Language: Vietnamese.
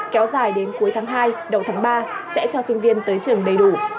kéo dài đến cuối tháng hai đầu tháng ba sẽ cho sinh viên tới trường đầy đủ